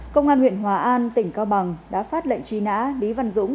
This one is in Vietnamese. công an huyện hòa an tỉnh cao bằng đã phát lệnh truy nã lý văn dũng